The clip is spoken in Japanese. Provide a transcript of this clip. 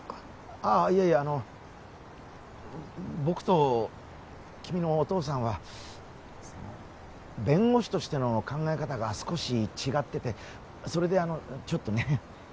ああいやいやあの僕と君のお父さんはその弁護士としての考え方が少し違っててそれであのちょっとね